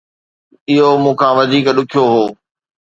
اهو مون کان وڌيڪ ڏکيو هو